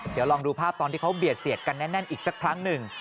เดี๋ยวลองดูภาพตอนที่เขาเบียดเสียดกันแน่นอีกสักครั้งหนึ่ง